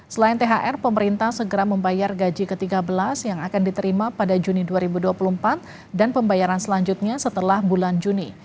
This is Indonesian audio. selain thr pemerintah segera membayar gaji ke tiga belas yang akan diterima pada juni dua ribu dua puluh empat dan pembayaran selanjutnya setelah bulan juni